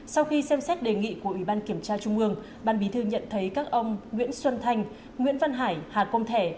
sau khi xem xét đề nghị của ủy ban kiểm tra trung ương ban bí thư nhận thấy các ông nguyễn xuân thanh nguyễn văn hải hà công thẻ